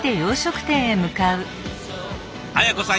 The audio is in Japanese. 綾子さん